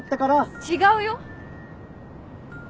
違うよ！